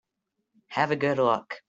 Have a good look.